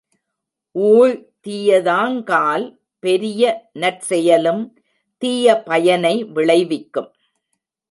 ஊழ் தீயதாங்கால் பெரிய நற்செயலும் தீய பயனை விளைவிக்கும்.